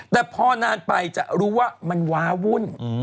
แต่พอนานไปจะรู้ว่ามันว้าวุ่น